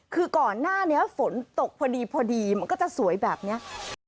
คือก่อนหน้านี้ฝนตกพอดีมันก็จะสวยแบบนี้